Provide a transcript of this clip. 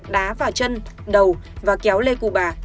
đá vào chân đầu và kéo lê cụ bà